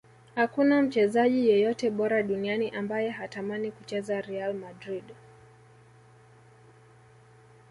hakuna mchezaji yeyote bora duniani ambaye hatamani kucheza real madrid